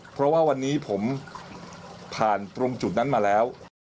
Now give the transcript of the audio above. เพราะว่าวันนี้ผมผ่านตรงจุดนั้นมาแล้ว